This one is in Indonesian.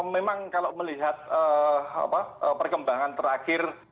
memang kalau melihat perkembangan terakhir